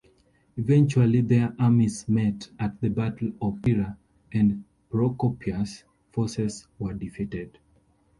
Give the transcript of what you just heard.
Eventually their armies met at the Battle of Thyatira, and Procopius' forces were defeated.